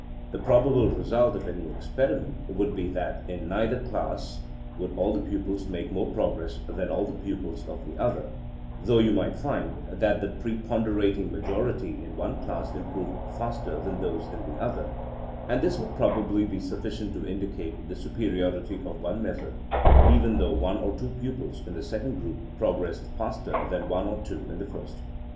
The probable re sult of any experiment would be that in neither class would all the pupils make more progress than all the pupils of the other, though you might find that the preponderating majority in one class improved faster than those in the other, and this would probably be sufficient to indicate the superiority of one method, even though one or two pupils in the second group progressed faster than one or twa in the first.